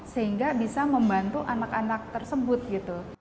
sehingga bisa membantu anak anak tersebut gitu